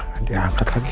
gak diangkat lagi